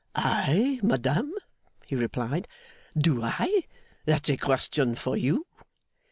'I, madame,' he replied, 'do I? That's a question for you.